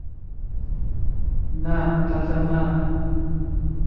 না, দাদা, না।